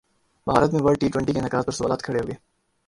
بھارت میں world T twenty کے انعقاد پر سوالات کھڑے ہوگئے